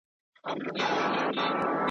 دا پر موږ د الله تعالی ستر احسان دی.